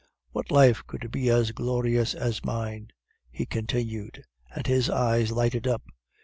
"'What life could be as glorious as mine?' he continued, and his eyes lighted up.